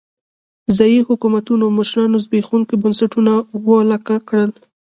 ځايي حکومتونو مشرانو زبېښونکي بنسټونه ولکه کړل.